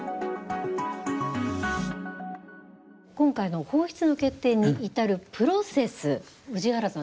今回の放出の決定に至るプロセス、宇治原さん